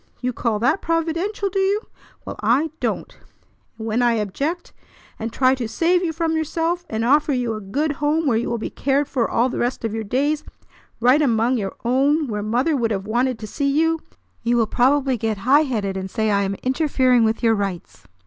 You call that providential, do you? Well, I don't! And when I object, and try to save you from yourself, and offer you a good home where you will be cared for all the rest of your days, right among your own, where mother would have wanted to see you, you will probably get high headed, and say I am interfering with your rights.